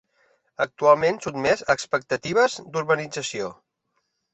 Actualment sotmès a expectatives d'urbanització.